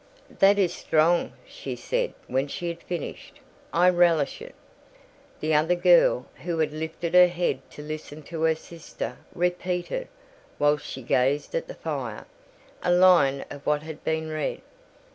"That is strong," she said, when she had finished: "I relish it." The other girl, who had lifted her head to listen to her sister, repeated, while she gazed at the fire, a line of what had been read.